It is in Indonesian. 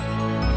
ya udah yaudah